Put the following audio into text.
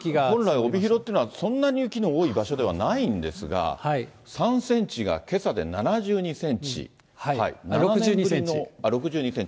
本来、帯広というのはそんなに雪の多い場所ではないんですが、３センチがけさで６２センチ。